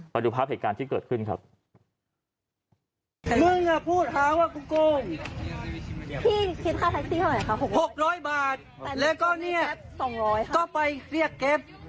ไปดูภาพเหตุการณ์ที่เกิดขึ้นครับ